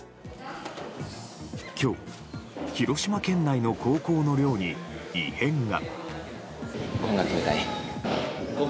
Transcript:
今日、広島県内の高校の寮に異変が。